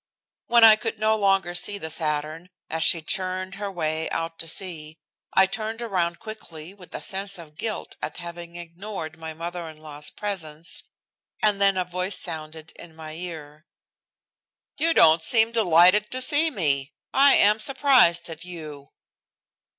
When I could no longer see the Saturn as she churned her way out to sea, I turned around quickly with a sense of guilt at having ignored my mother in law's presence, and then a voice sounded in my ear. "You don't seem delighted to see me. I am surprised at you."